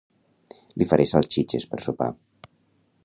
Li faré salsitxes per sopar